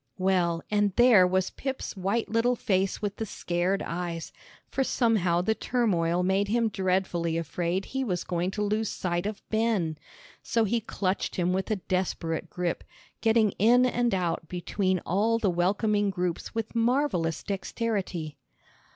Well, and there was Pip's white little face with the scared eyes, for somehow the turmoil made him dreadfully afraid he was going to lose sight of Ben. So he clutched him with a desperate grip, getting in and out between all the welcoming groups with marvellous dexterity.